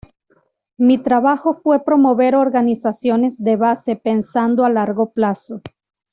Mi trabajo fue promover organizaciones de base pensando a largo plazo.